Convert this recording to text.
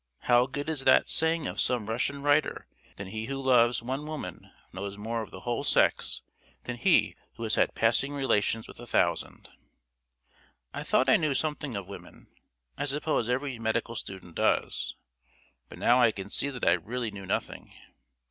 How good is that saying of some Russian writer that he who loves one woman knows more of the whole sex than he who has had passing relations with a thousand! I thought I knew something of women. I suppose every medical student does. But now I can see that I really knew nothing.